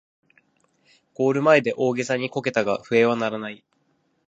ゴール前で大げさにこけたが笛は鳴らない